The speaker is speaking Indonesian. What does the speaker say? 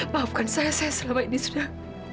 maafkan saya saya selama ini sudah